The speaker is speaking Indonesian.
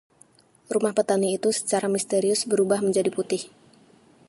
Rumah petani itu secara misterius berubah menjadi putih.